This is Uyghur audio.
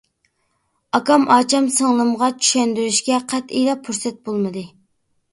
ئاكام، ئاچام سىڭلىمغا چۈشەندۈرۈشكە قەتئىيلا پۇرسەت بولمىدى.